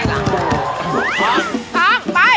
พร้อมไป